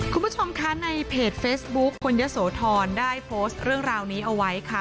คุณผู้ชมคะในเพจเฟซบุ๊คคนเยอะโสธรได้โพสต์เรื่องราวนี้เอาไว้ค่ะ